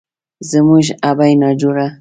زموږ ابۍ ناجوړه